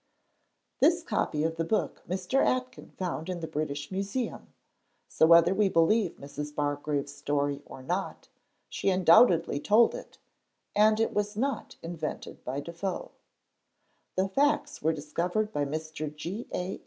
This copy of the book Mr. Aitken found in the British Museum; so, whether we believe Mrs. Bargrave's story or not, she undoubtedly told it, and it was not invented by Defoe. The facts were discovered by Mr. G. A.